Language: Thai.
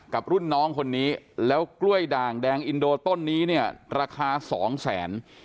กับรุ่นน้องคนนี้แล้วกล้วยด่างแดงอินโดต้นนี้เนี่ยราคาสองแสน